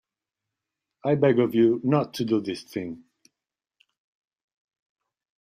I beg of you not to do this thing.